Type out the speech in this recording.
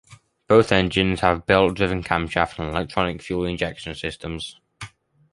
Both engines have belt driven camshafts and Electronic Fuel Injection systems.